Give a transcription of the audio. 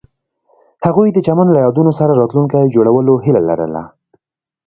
هغوی د چمن له یادونو سره راتلونکی جوړولو هیله لرله.